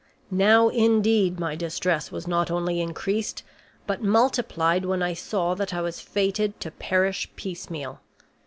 Now indeed my distress was not only increased but multiplied when I saw that I was fated to perish piecemeal.